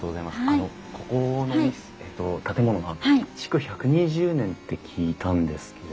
あのここの建物は築１２０年って聞いたんですけれども。